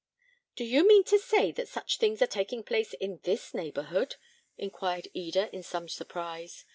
"Do you mean to say that such things are taking place in this neighbourhood?" inquired Eda, in some surprise.